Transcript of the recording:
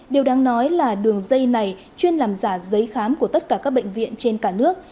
điều đáng nói là đường dây này chuyên làm giả giấy khám của tất cả các bệnh viện trên cả nước